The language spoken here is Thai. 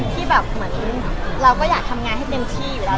ที่แบบเหมือนเราก็อยากทำงานให้เต็มที่อยู่แล้ว